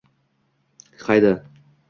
қайда.